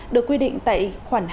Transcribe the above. đối với nguyễn mậu dương